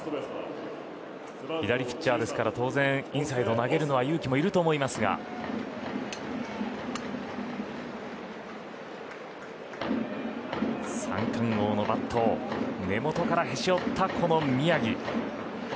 左ピッチャーですから当然インサイド投げるのは勇気もいると思いますが三冠王のバットを根元からへし折った、この宮城。